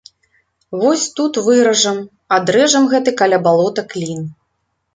Вось тут выражам, адрэжам гэты каля балота клін.